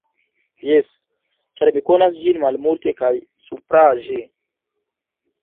Jes, ĉar mi konas ĝin malmulte kaj supraĵe.